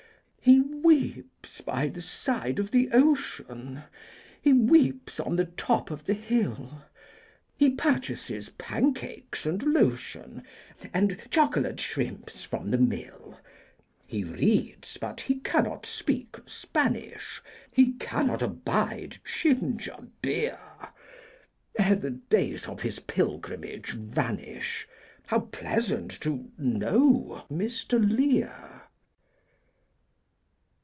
He weeps by the side of the ocean, He weeps on the top of the hill; He purchases pancakes and lotion, And chocolate shrimps from the mill. He reads, but he cannot speak, Spanish, He cannot abide ginger beer: Ere the days of his pilgrimage vanish, How pleasant to know Mr. Lear!